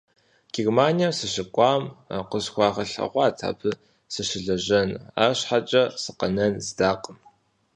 Германием сыщыкӀуам къысхуагъэлъэгъуат абы сыщылэжьэну, арщхьэкӀэ сыкъэнэн здакъым.